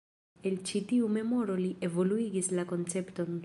El ĉi tiu memoro li evoluigis la koncepton.